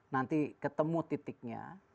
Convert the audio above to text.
nanti ketemu titiknya